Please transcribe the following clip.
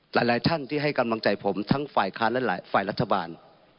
หลายท่านที่ให้กำลังใจผมทั้งฝ่ายค้านและหลายฝ่ายรัฐบาล